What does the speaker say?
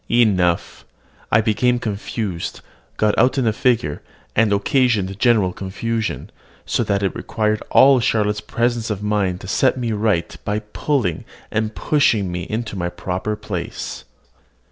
Enough, I became confused, got out in the figure, and occasioned general confusion; so that it required all Charlotte's presence of mind to set me right by pulling and pushing me into my proper place.